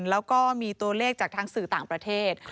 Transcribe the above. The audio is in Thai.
แล้วก็มีตัวเลขจากทางสื่อต่างประเทศ